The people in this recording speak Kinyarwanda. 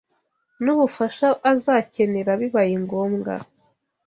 n’ubufasha azakenera bibaye ngombwa